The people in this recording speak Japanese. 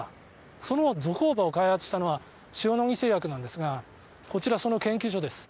そのゾコーバを開発したのは塩野義製薬なんですがこちら、その研究所です。